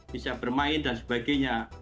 bisa bermain dan sebagainya